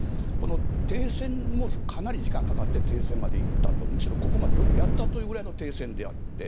停戦もかなり時間がかかって停戦までいったとむしろここまでよくやったという停戦であって。